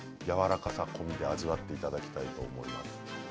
やわらかさ込みで味わっていただきたいと思います。